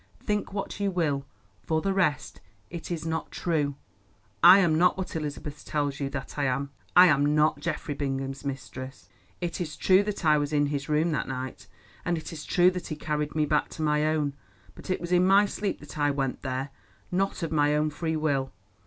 Think what you will. For the rest, it is not true. I am not what Elizabeth tells you that I am. I am not Geoffrey Bingham's mistress. It is true that I was in his room that night, and it is true that he carried me back to my own. But it was in my sleep that I went there, not of my own free will.